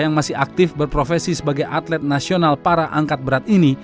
yang masih aktif berprofesi sebagai atlet nasional para angkat berat ini